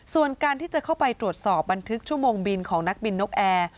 ส่วนการที่จะเข้าไปตรวจสอบบันทึกชั่วโมงบินของนักบินนกแอร์